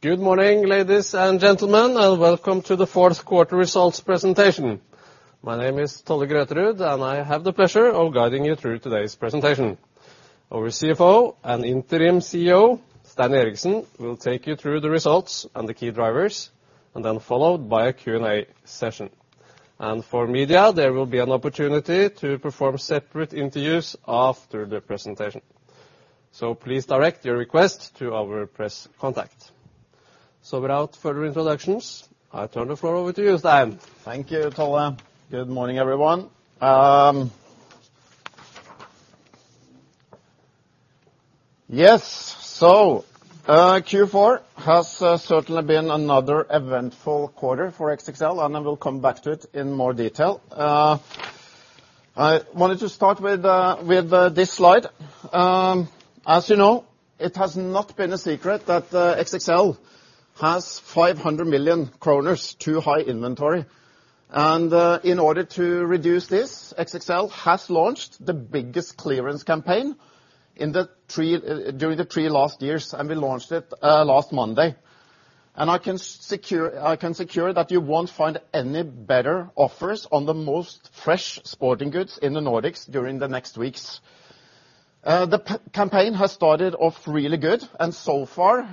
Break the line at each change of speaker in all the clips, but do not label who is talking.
Good morning, ladies and gentlemen, and welcome to the fourth quarter results presentation. My name is Tolle Grøterud, I have the pleasure of guiding you through today's presentation. Our CFO and Interim CEO, Stein Eriksen, will take you through the results and the key drivers, then followed by a Q&A session. For media, there will be an opportunity to perform separate interviews after the presentation. Please direct your request to our press contact. Without further introductions, I turn the floor over to you, Stein.
Thank you, Tolle. Good morning, everyone. Q4 has certainly been another eventful quarter for XXL, and I will come back to it in more detail. I wanted to start with this slide. As you know, it has not been a secret that XXL has 500 million kroner too high inventory. In order to reduce this, XXL has launched the biggest clearance campaign during the three last years, and we launched it last Monday. I can secure that you won't find any better offers on the most fresh sporting goods in the Nordics during the next weeks. The campaign has started off really good, and so far,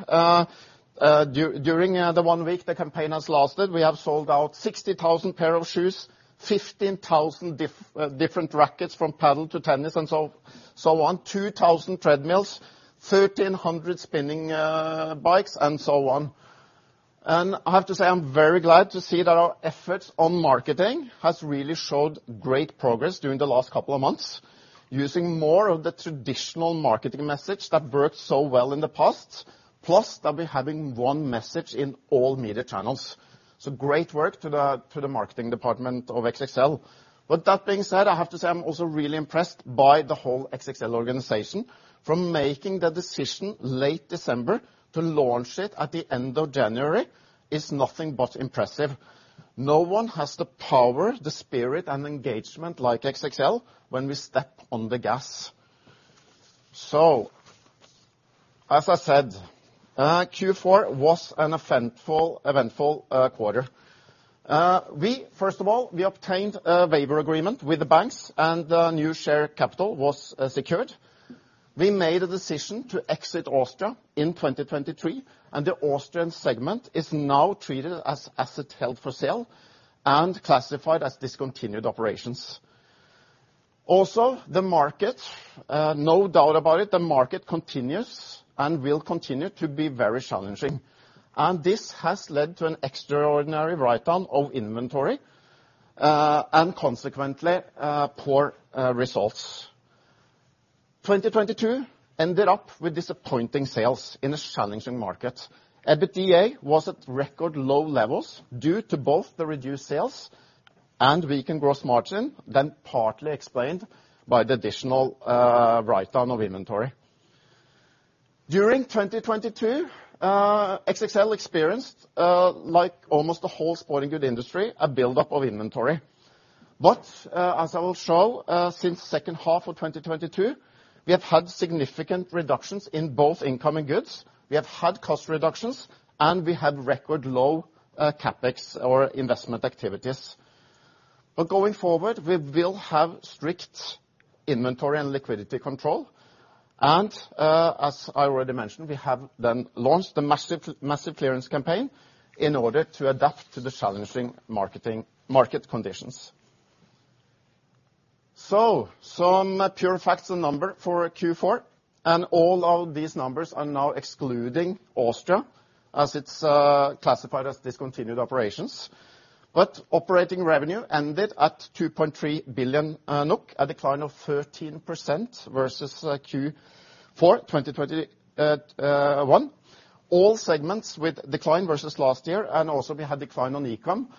during the one week the campaign has lasted, we have sold out 60,000 pair of shoes, 15,000 different rackets from paddle to tennis and so on, 2,000 treadmills, 1,300 spinning bikes, and so on. I have to say, I'm very glad to see that our efforts on marketing has really showed great progress during the last couple of months using more of the traditional marketing message that worked so well in the past, plus that we're having one message in all media channels. Great work to the marketing department of XXL. That being said, I have to say I'm also really impressed by the whole XXL organization. From making the decision late December to launch it at the end of January is nothing but impressive. No one has the power, the spirit, and engagement like XXL when we step on the gas. As I said, Q4 was an eventful quarter. We, first of all, we obtained a waiver agreement with the banks and new share capital was secured. We made a decision to exit Austria in 2023, and the Austrian segment is now treated as asset held for sale and classified as discontinued operations. Also, the market, no doubt about it, the market continues and will continue to be very challenging. This has led to an extraordinary write-down of inventory and consequently poor results. 2022 ended up with disappointing sales in a challenging market. EBITDA was at record low levels due to both the reduced sales and weakened gross margin, then partly explained by the additional write-down of inventory. During 2022, XXL experienced, like almost the whole sporting good industry, a buildup of inventory. As I will show, since second half of 2022, we have had significant reductions in both incoming goods, we have had cost reductions, and we had record low CapEx or investment activities. Going forward, we will have strict inventory and liquidity control, and as I already mentioned, we have then launched a massive clearance campaign in order to adapt to the challenging market conditions. Some pure facts and number for Q4, and all of these numbers are now excluding Austria as it's classified as discontinued operations. Operating revenue ended at 2.3 billion NOK, a decline of 13% versus Q4 2021. All segments with decline versus last year and also we had decline on e-com,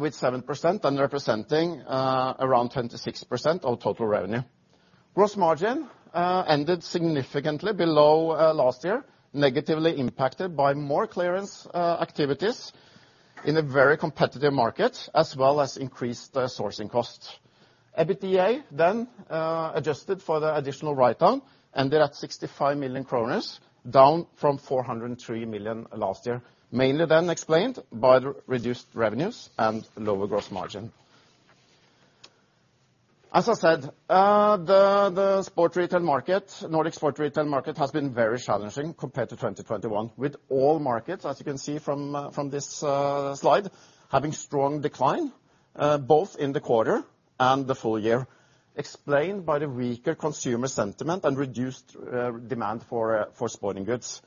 with 7% and representing around 26% of total revenue. Gross margin ended significantly below last year, negatively impacted by more clearance activities in a very competitive market as well as increased sourcing costs. EBITDA then, adjusted for the additional write-down, ended at 65 million kroner, down from 403 million last year, mainly then explained by the reduced revenues and lower gross margin. As I said, the Nordic sport retail market has been very challenging compared to 2021 with all markets, as you can see from this slide, having strong decline both in the quarter and the full year, explained by the weaker consumer sentiment and reduced demand for sporting goods.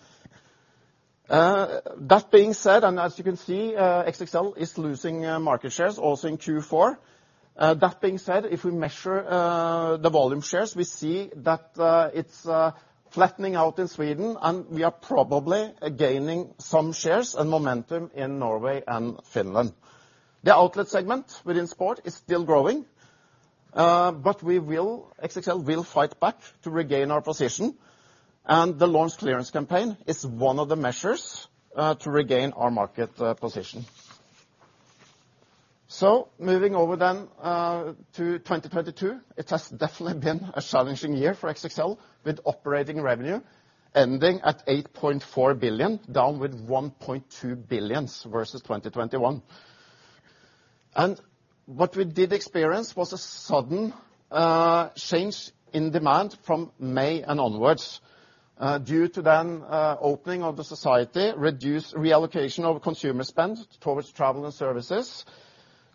That being said, and as you can see, XXL is losing market shares also in Q4. That being said, if we measure the volume shares, we see that it's flattening out in Sweden, and we are probably gaining some shares and momentum in Norway and Finland. The outlet segment within sport is still growing, but we will, XXL will fight back to regain our position, and the launch clearance campaign is one of the measures to regain our market position. Moving over then to 2022, it has definitely been a challenging year for XXL, with operating revenue ending at 8.4 billion, down with 1.2 billion versus 2021. What we did experience was a sudden change in demand from May and onwards, due to then opening of the society, reduced reallocation of consumer spend towards travel and services,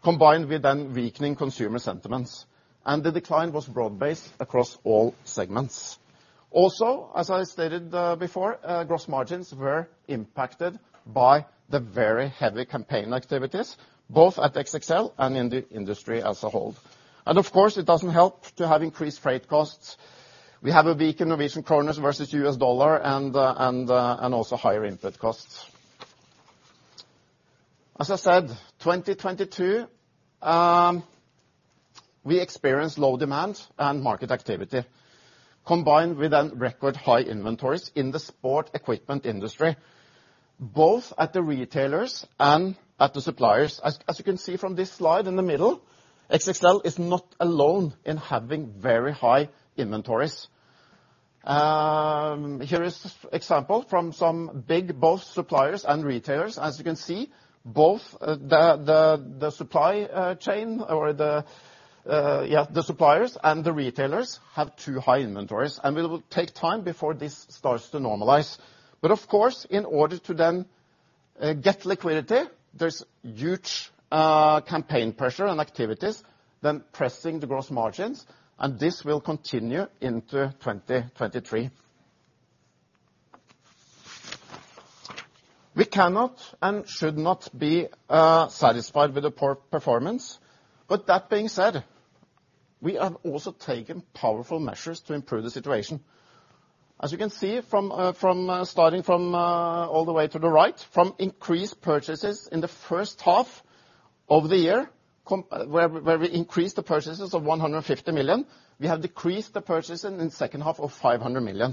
combined with then weakening consumer sentiments. The decline was broad-based across all segments. Also, as I stated before, gross margins were impacted by the very heavy campaign activities, both at XXL and in the industry as a whole. Of course it doesn't help to have increased freight costs. We have a weak Norwegian kroner versus U.S. dollar and also higher input costs. As I said, 2022, we experienced low demand and market activity combined with then record high inventories in the sport equipment industry, both at the retailers and at the suppliers. As you can see from this slide in the middle, XXL is not alone in having very high inventories. Here is example from some big, both suppliers and retailers. As you can see, both the supply chain or the suppliers and the retailers have too high inventories and it will take time before this starts to normalize. Of course, in order to then get liquidity, there's huge campaign pressure and activities then pressing the gross margins and this will continue into 2023. We cannot and should not be satisfied with the poor performance. That being said, we have also taken powerful measures to improve the situation. As you can see from, starting from all the way to the right, from increased purchases in the first half of the year we increased the purchases of 150 million, we have decreased the purchasing in second half of 500 million.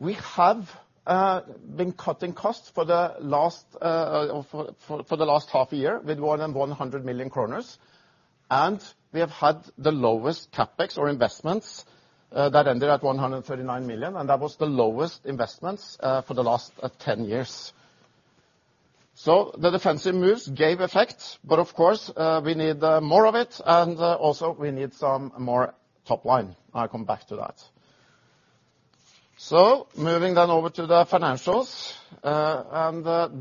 We have been cutting costs for the last half a year with more than 100 million kroner, and we have had the lowest CapEx or investments that ended at 139 million, and that was the lowest investments for the last 10 years. The defensive moves gave effect, but of course, we need more of it and also we need some more top line. I'll come back to that. Moving then over to the financials.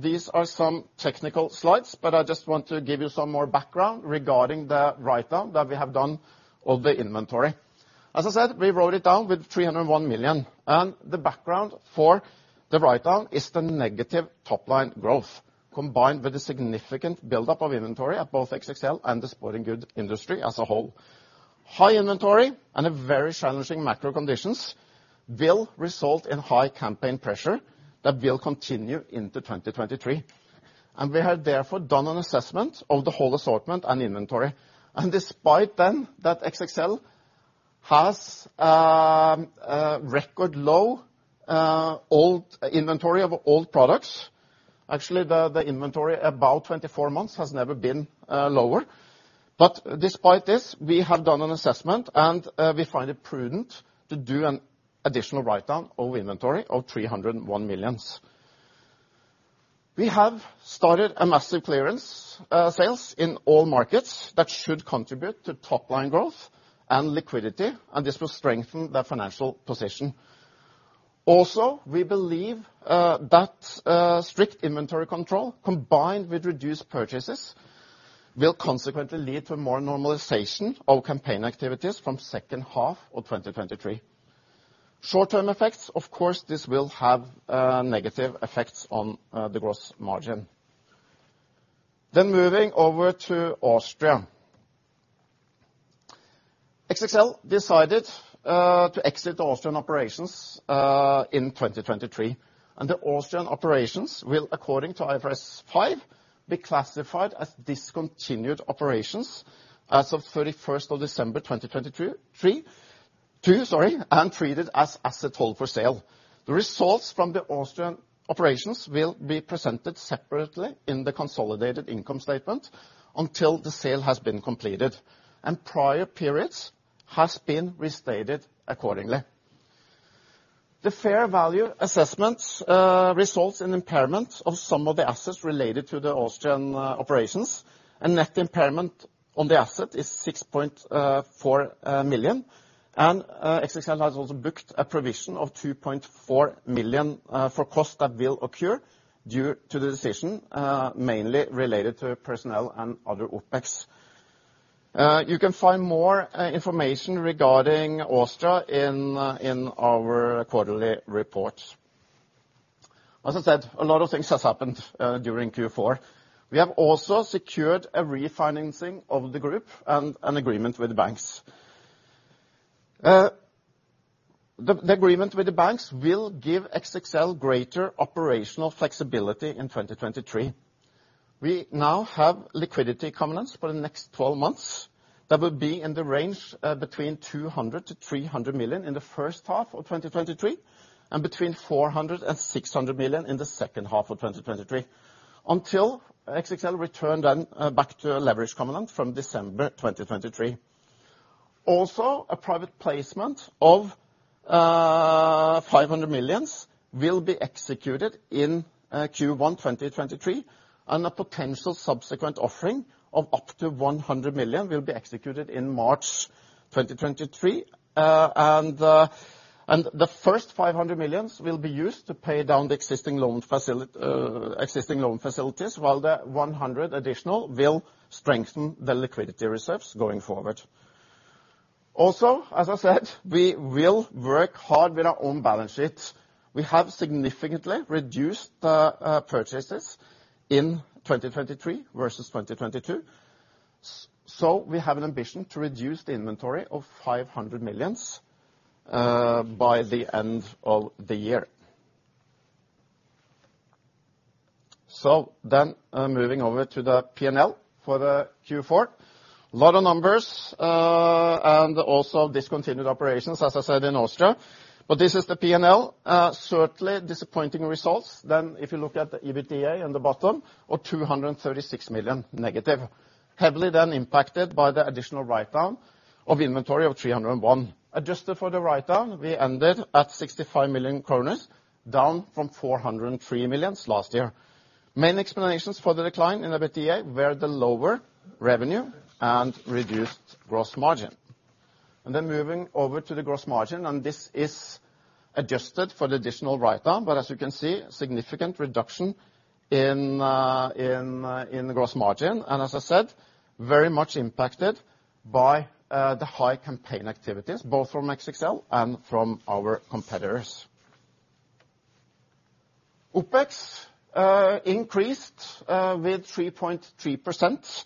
These are some technical slides, but I just want to give you some more background regarding the write-down that we have done of the inventory. As I said, we wrote it down with 301 million. The background for the write-down is the negative top line growth, combined with a significant buildup of inventory at both XXL and the sporting goods industry as a whole. High inventory and a very challenging macro conditions will result in high campaign pressure that will continue into 2023. We have therefore done an assessment of the whole assortment and inventory. Despite then that XXL has a record low old inventory of old products, actually the inventory about 24 months has never been lower. Despite this, we have done an assessment, and we find it prudent to do an additional write-down of inventory of 301 million. We have started a massive clearance sales in all markets that should contribute to top line growth and liquidity, and this will strengthen the financial position. Also, we believe that strict inventory control combined with reduced purchases, will consequently lead to more normalization of campaign activities from second half of 2023. Short-term effects, of course, this will have negative effects on the gross margin. Moving over to Austria. XXL decided to exit Austrian operations in 2023, and the Austrian operations will, according to IFRS 5, be classified as discontinued operations as of 31st of December, 2022, and treated as assets held for sale. The results from the Austrian operations will be presented separately in the consolidated income statement until the sale has been completed and prior periods has been restated accordingly. The fair value assessments results in impairment of some of the assets related to the Austrian operations, and net impairment on the asset is 6.4 million, and XXL has also booked a provision of 2.4 million for costs that will occur due to the decision, mainly related to personnel and other OpEx. You can find more information regarding Austria in our quarterly report. As I said, a lot of things has happened during Q4. We have also secured a refinancing of the group and an agreement with the banks. The agreement with the banks will give XXL greater operational flexibility in 2023. We now have liquidity covenants for the next 12 months. That would be in the range between 200 million-300 million in the first half of 2023, and between 400 million-600 million in the second half of 2023, until XXL return then back to a leverage covenant from December 2023. A Private Placement of 500 million will be executed in Q1 2023, and a potential Subsequent Offering of up to 100 million will be executed in March 2023. The first 500 million will be used to pay down the existing loan facilities, while the 100 additional will strengthen the liquidity reserves going forward. As I said, we will work hard with our own balance sheet. We have significantly reduced purchases in 2023 versus 2022, so we have an ambition to reduce the inventory of 500 million by the end of the year. Moving over to the P&L for the Q4. Lot of numbers, and also discontinued operations, as I said, in Austria. This is the P&L. Certainly disappointing results. If you look at the EBITDA in the bottom, or 236 million negative. Heavily impacted by the additional write-down of inventory of 301. Adjusted for the write-down, we ended at 65 million kroner, down from 403 million last year. Main explanations for the decline in EBITDA were the lower revenue and reduced gross margin. Moving over to the gross margin, and this is adjusted for the additional write-down. As you can see, significant reduction in the gross margin, and as I said, very much impacted by the high campaign activities, both from XXL and from our competitors. OpEx increased with 3.3%,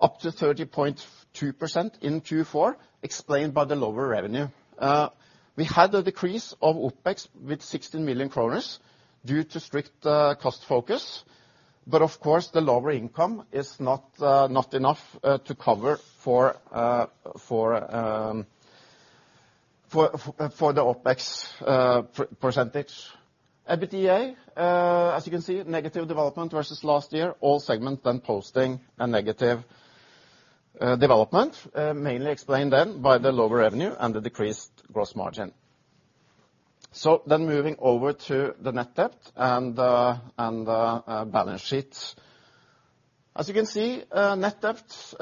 up to 30.2% in Q4, explained by the lower revenue. We had a decrease of OpEx with 16 million kroner due to strict cost focus. Of course, the lower income is not enough to cover for the OpEx percentage. EBITDA, as you can see, negative development versus last year, all segments then posting a negative development, mainly explained then by the lower revenue and the decreased gross margin. Moving over to the net debt and the balance sheet. As you can see, net debt,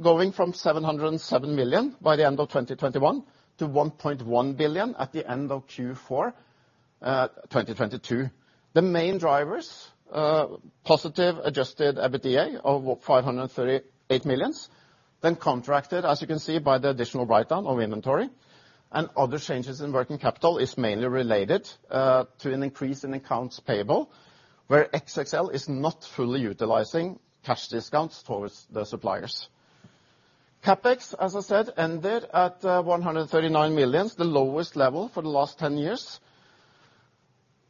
going from 707 million by the end of 2021 to 1.1 billion at the end of Q4, 2022. The main drivers, positive adjusted EBITDA of 538 million, then contracted, as you can see, by the additional write-down of inventory and other changes in working capital, is mainly related to an increase in accounts payable, where XXL is not fully utilizing cash discounts towards the suppliers. CapEx, as I said, ended at 139 million, the lowest level for the last 10 years.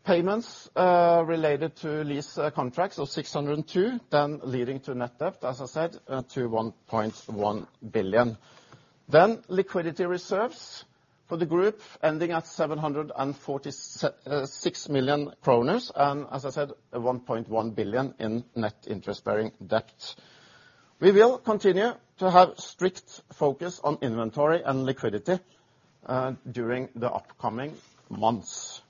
Payments related to lease contracts of 602 million, then leading to net debt, as I said, to 1.1 billion. Liquidity reserves for the group ending at 746 million kroner and, as I said, 1.1 billion in net interest-bearing debt. We will continue to have strict focus on inventory and liquidity during the upcoming months.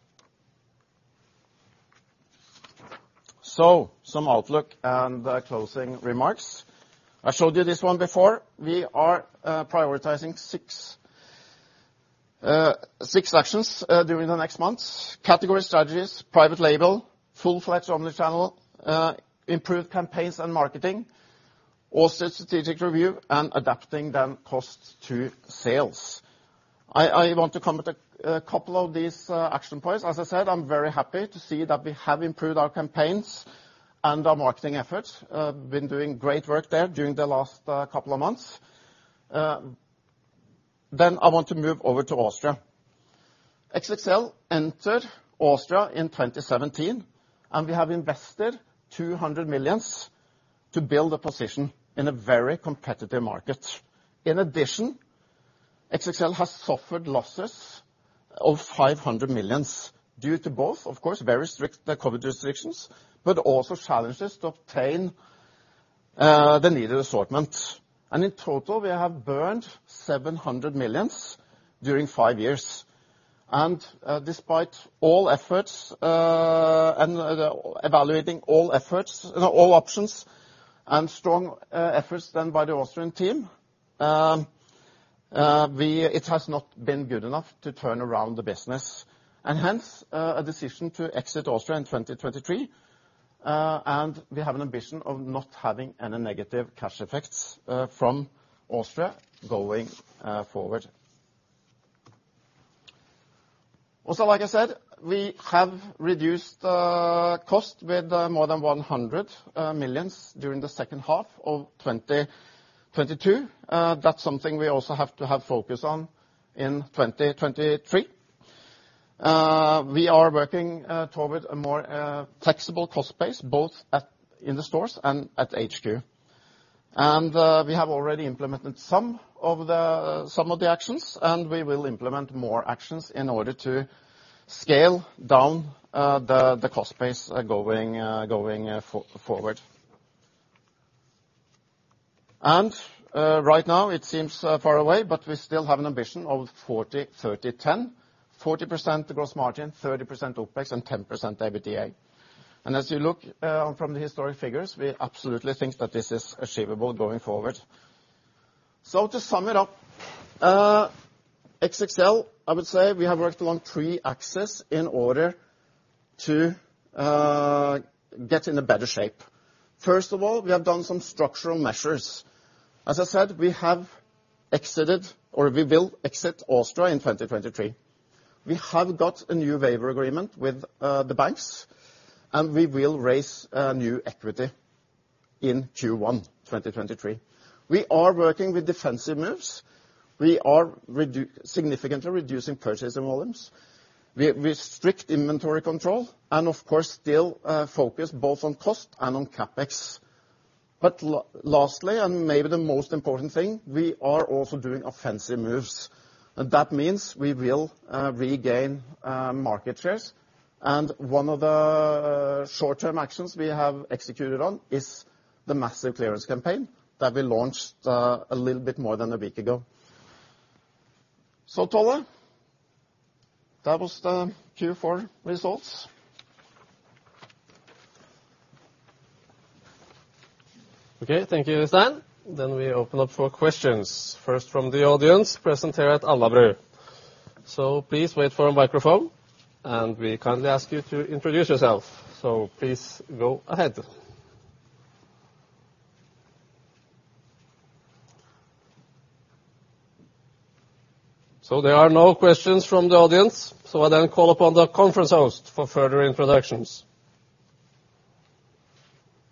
Some outlook and closing remarks. I showed you this one before. We are prioritizing six actions during the next months: category strategies, private label, full-fledged omni-channel, improved campaigns and marketing, also strategic review, and adapting then costs to sales. I want to comment a couple of these action points. As I said, I'm very happy to see that we have improved our campaigns and our marketing efforts. Been doing great work there during the last couple of months. I want to move over to Austria. XXL entered Austria in 2017. We have invested 200 million to build a position in a very competitive market. In addition, XXL has suffered losses of 500 million due to both, of course, very strict COVID restrictions, but also challenges to obtain the needed assortment. In total, we have burned 700 million during five years. Despite all efforts, and evaluating all options and strong efforts done by the Austrian team, it has not been good enough to turn around the business. Hence, a decision to exit Austria in 2023. We have an ambition of not having any negative cash effects from Austria going forward. Also, like I said, we have reduced the cost with more than 100 million during the second half of 2022. That's something we also have to have focus on in 2023. We are working toward a more taxable cost base, both in the stores and at HQ. We have already implemented some of the actions, and we will implement more actions in order to scale down the cost base going forward. Right now it seems far away, but we still have an ambition of 40 -30 -10. 40% gross margin, 30% OpEx, and 10% EBITDA. As you look from the historic figures, we absolutely think that this is achievable going forward. To sum it up, XXL, I would say we have worked along three axes in order to get in a better shape. First of all, we have done some structural measures. As I said, we have exited, or we will exit Austria in 2023. We have got a new waiver agreement with the banks, and we will raise new equity in Q1, 2023. We are working with defensive moves. We are significantly reducing purchasing volumes. We strict inventory control and of course still focus both on cost and on CapEx. Lastly, and maybe the most important thing, we are also doing offensive moves, and that means we will regain market shares. One of the short-term actions we have executed on is the massive clearance campaign that we launched a little bit more than a week ago. Tolle, that was the Q4 results.
Okay. Thank you, Stan. We open up for questions, first from the audience present here at Alna. Please wait for a microphone, and we kindly ask you to introduce yourself. Please go ahead. There are no questions from the audience, so I then call upon the conference host for further introductions.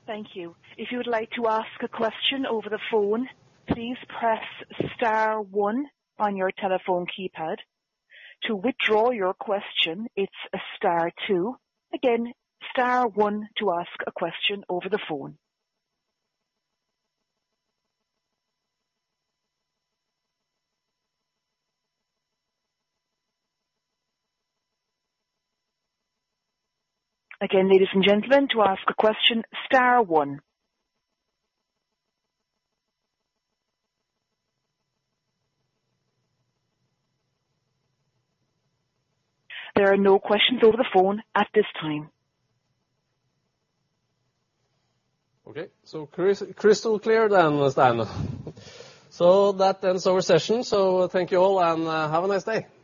Thank you. If you would like to ask a question over the phone, please press star one on your telephone keypad. To withdraw your question, it's star two. Again, star one to ask a question over the phone. Again, ladies and gentlemen, to ask a question, star one. There are no questions over the phone at this time.
Okay. crystal clear then, Stan. That ends our session. Thank you all, and, have a nice day.